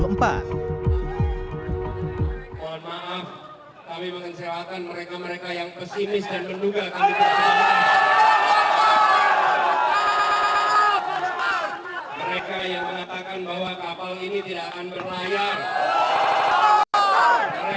mereka yang mengatakan bahwa kapal ini tidak akan berlayar